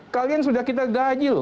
kalian sudah kita gaji loh